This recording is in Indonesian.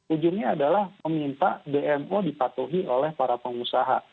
ujungnya adalah meminta dmo dipatuhi oleh para pengusaha